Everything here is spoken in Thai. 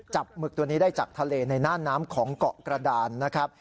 หมึกตัวนี้ได้จากทะเลในหน้าน้ำของเกาะกระดานนะครับ